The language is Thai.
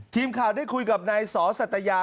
ทีมข่าวได้คุยกับนายสอสัตยา